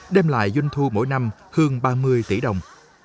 đem lại doanh thu mỗi năm hơn ba mươi tỷ đồng